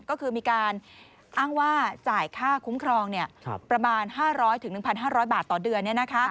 ก็คือมีการอ้างว่าจ่ายค่าคุ้มครองประมาณ๕๐๐๑๕๐๐บาทต่อเดือน